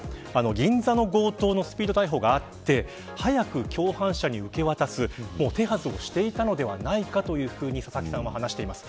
銀座の強盗のときのスピード逮捕があって早く共犯者に受け渡す手はずをしていたのではないかというふうに話をしています。